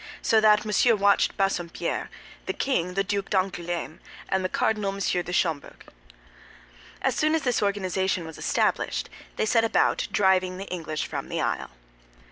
So that Monsieur watched Bassompierre; the king, the Duc d'Angoulême; and the cardinal, M. de Schomberg. As soon as this organization was established, they set about driving the English from the Isle.